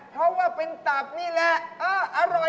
เพราะว่าเป็นตับนี่แหละอร่อยเหมือนกันเลย